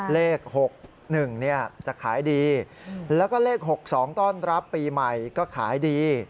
เลขหกหนึ่งเนี่ยจะขายดีแล้วก็เลขหกสองต้อนรับปีใหม่ก็ขายดี